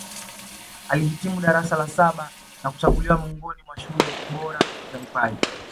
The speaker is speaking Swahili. Alihitimu darasa la saba na kuchaguliwa miongoni mwa shule bora za vipaji